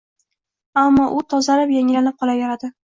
Ammo u tozarib-yangilanib qolaveradi